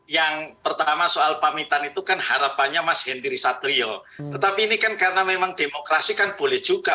yang pertama soal pamitan itu kan harapannya mas henry satrio tetapi ini kan karena memang demokrasi kan boleh juga